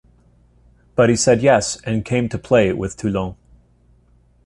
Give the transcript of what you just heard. But he said yes and came to play with Toulon.